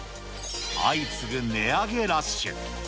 相次ぐ値上げラッシュ。